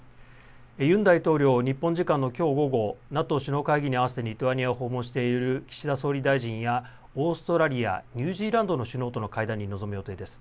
ユン大統領、日本時間のきょう午後、ＮＡＴＯ首脳会議に合わせてリトアニアを訪問している岸田総理大臣やオーストラリア、ニュージーランドの首脳との会談に臨む予定です。